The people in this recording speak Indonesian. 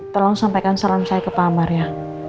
tolong sampaikan salam saya ke pak amar ya